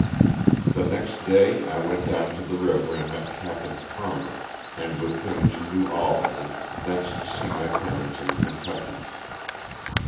The next day I went down to the river and met Capt. Oarmer and with him to New Albany, thence to see my parents in Kentucky.